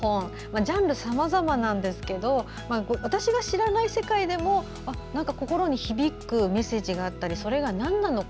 ジャンルはさまざまなんですが私が知らない世界でも心に響くメッセージがあったりそれが何なのか。